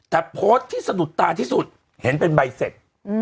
แต่โพสต์ที่สนุทรติสุดเห็นเป็นใบเสด